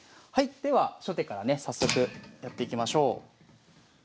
はいでは初手からね早速やっていきましょう。